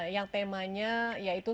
yang temanya yaitu